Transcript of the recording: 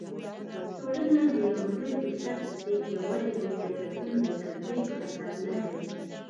ټولنه د يوه لوی بستر په څېر يوازي د سياستونو د تطبيق ډګر ندی